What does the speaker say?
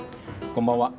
こんばんは。